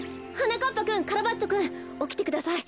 なかっぱくんカラバッチョくんおきてください。